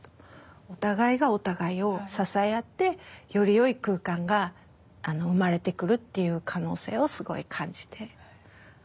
お互いがお互いを支え合ってよりよい空間が生まれてくるっていう可能性をすごい感じて。